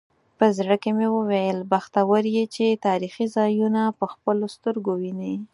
په زړه کې مې وویل بختور یې چې تاریخي ځایونه په خپلو سترګو وینې.